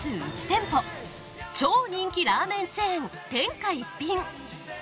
超人気ラーメンチェーン天下一品。